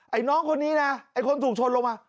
ไอ้น้องคนนี้นะไอ้คนถูกชนลงมา